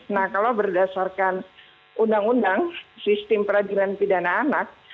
nah kalau berdasarkan undang undang sistem peradilan pidana anak